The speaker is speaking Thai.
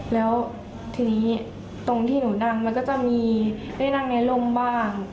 แล้วทีนี้ตรงที่หนูนั่งมันก็จะมีได้นั่งในร่มบ้าง